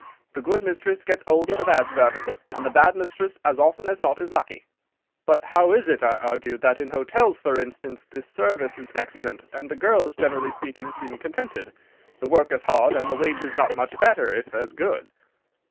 The good mistress gets 'old of the bad servant, and the bad mistress, as often as not is lucky." "But how is it," I argued, "that in hotels, for instance, the service is excellent, and the girls, generally speaking, seem contented? The work is hard, and the wages not much better, if as good."